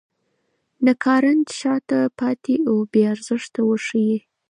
ناکارنده، شاته پاتې او بې ارزښته وښيي.